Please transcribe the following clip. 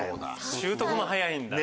習得も早いんだ。